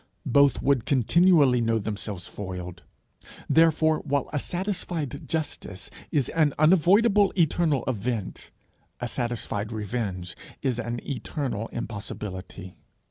Both would continually know themselves foiled. Therefore, while a satisfied justice is an unavoidable eternal event, a satisfied revenge is an eternal impossibility.